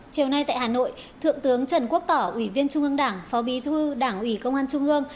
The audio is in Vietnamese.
chiều nay tại hà nội thượng tướng trần quốc tỏ ủy viên trung ương đảng phó bí thư đảng ủy công an trung ương